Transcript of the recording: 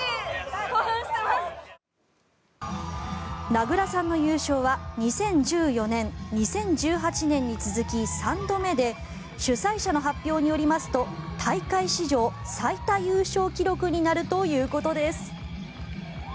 名倉さんの優勝は２０１４年、２０１８年に続き３度目で主催者の発表によりますと大会史上最多優勝記録になるということです。